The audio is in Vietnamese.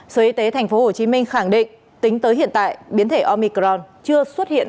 sở y tế tp hcm khẳng định tính tới hiện tại biến thể omicron chưa xuất hiện